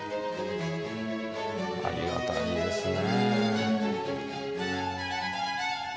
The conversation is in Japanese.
ありがたいですね。